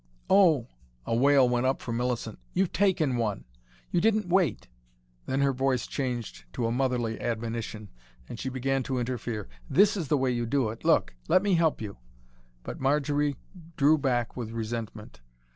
"Oh!" a wail went up from Millicent. "You've taken one! You didn't wait." Then her voice changed to a motherly admonition, and she began to interfere. "This is the way to do it, look! Let me help you." But Marjory drew back with resentment.